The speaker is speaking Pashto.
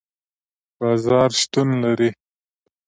بازار شتون لري